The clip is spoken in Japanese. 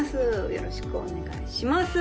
よろしくお願いします！